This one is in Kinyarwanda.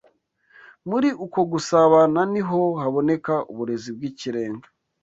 Muri uko gusābāna ni ho haboneka uburezi bw’ikirenga